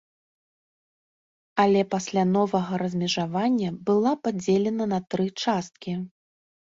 Але пасля новага размежавання была падзелена на тры часткі.